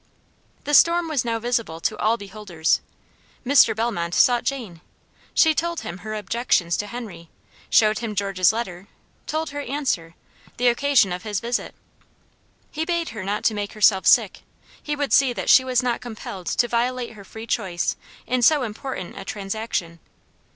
The storm was now visible to all beholders. Mr. Bellmont sought Jane. She told him her objections to Henry; showed him George's letter; told her answer, the occasion of his visit. He bade her not make herself sick; he would see that she was not compelled to violate her free choice in so important a transaction.